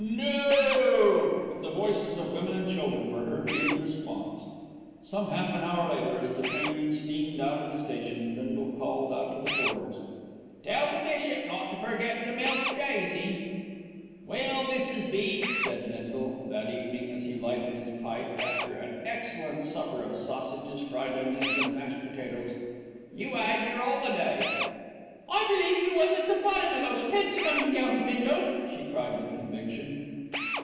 "Nooooooooo!" And the voices of women and children were heard in the response. Some half an hour later, as the train steamed out of the station, Bindle called out to the porters: "Tell the bishop not to forget to milk Daisy." "Well, Mrs. B.," said Bindle that evening as he lighted his pipe after an excellent supper of sausages, fried onions, and mashed potatoes, "you 'ad yer 'oliday." "I believe you was at the bottom of those tents coming down, Bindle," she cried with conviction.